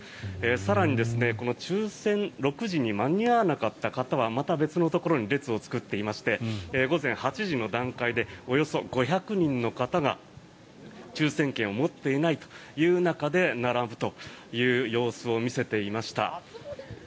更に、抽選６時に間に合わなかった方はまた別のところに列を作っていまして午前８時の段階でおよそ５００人お方が抽選券を持っていないという中で並ぶという様子を見せていました。